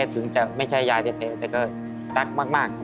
ถึงจะไม่ใช่ยายแท้แต่ก็รักมาก